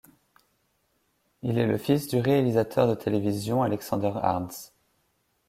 Il est le fils du réalisateur de télévision Alexander Arnz.